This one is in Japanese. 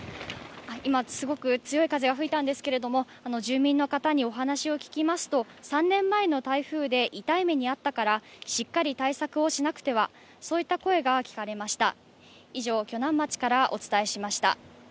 今、すごく強い風が吹いたんですけれど住民の方にお話を聞きますと、３年前の台風で痛い目に遭ったから、しっかり対策をしなくては、そういった声が聞かれました。